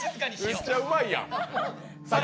めっちゃうまいやん！